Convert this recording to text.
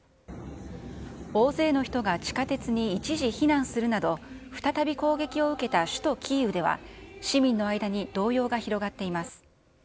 大勢の人が地下鉄に一時避難するなど、再び攻撃を受けた首都キーウでは、市民の間に動揺が広がっています。